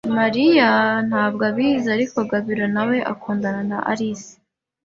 Mariya ntabwo abizi, ariko Gabiro nawe akundana na Alice.